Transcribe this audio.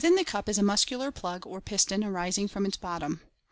the cup is a muscular plug or piston arising from its bottom.